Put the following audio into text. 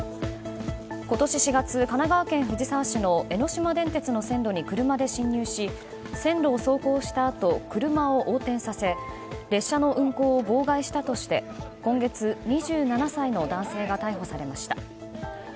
今年４月、神奈川県藤沢市の江ノ島電鉄の線路に車で侵入し、線路を走行したあと車を横転させ列車の運行を妨害させたとして今月、２７歳の男性が逮捕されました。